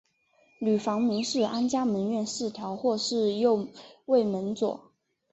女房名是安嘉门院四条或是右卫门佐。